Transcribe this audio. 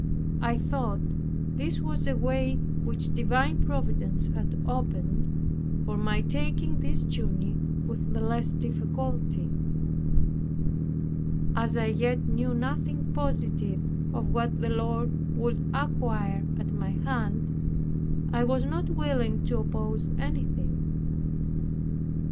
I thought this was a way which divine Providence had opened, for my taking this journey with the less difficulty. As I yet knew nothing positive of what the Lord would acquire at my hand, I was not willing to oppose anything.